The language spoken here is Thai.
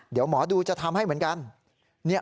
เดี๋ยวหมอดูจะทำให้เหมือนกัน